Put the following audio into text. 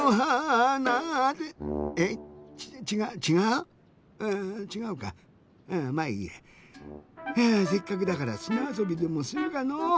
うちがうかまあいいや。えせっかくだからすなあそびでもするかのう。